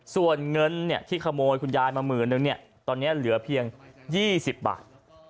ส่วนเงินที่ขโมยคุณยายมาหมื่นนึงตอนนี้เหลือเพียง๒๐บาท